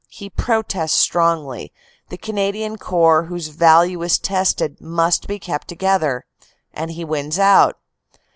He protests strongly; the Canadian Corps whose value is tested must be kept together ; and he wins out.